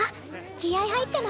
気合入ってますね。